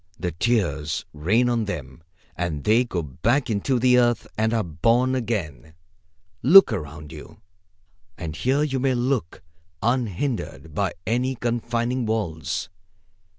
The tears rain on them, and they go back into the earth and are born again. Look around you, as here you may look, unhindered by any confining walls.